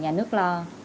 nhà nước lo